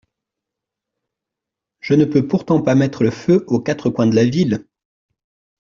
Je ne peux pourtant pas mettre le feu aux quatre coins de la ville…